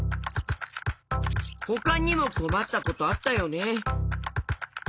ほかにもこまったことあったよね。